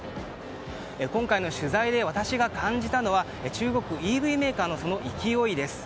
今回の取材で私が感じたのは中国のＥＶメーカーの勢いです。